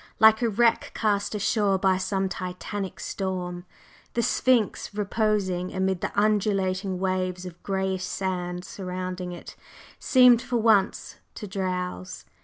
Like a wreck cast ashore by some titanic storm, the Sphinx, reposing amid the undulating waves of grayish sand surrounding it, seemed for once to drowse.